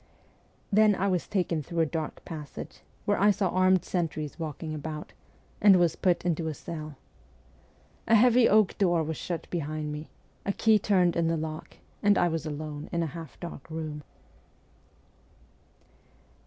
Then I was taken through a dark passage, where I saw armed sentries walking about, and was put into a cell. A heavy oak door was shut behind me, a key turned in the lock, and I was alone in a half dark room.